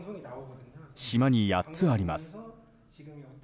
島に８つあります。